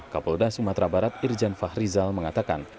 kapolda sumatera barat irjan fahrizal mengatakan